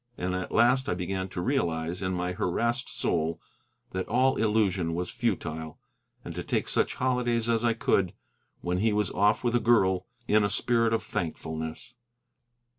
And at last I began to realize in my harassed soul that all elusion was futile, and to take such holidays as I could get, when he was off with a girl, in a spirit of thankfulness.